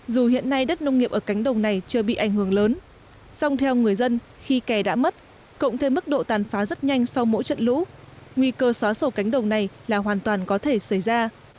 dù hiện nay đất nông nghiệp ở cánh đồng này chưa bị ảnh hưởng lớn song theo người dân khi kè đã mất cộng thêm mức độ tàn phá rất nhanh sau mỗi trận lũ nguy cơ xóa sổ cánh đồng này là hoàn toàn có thể xảy ra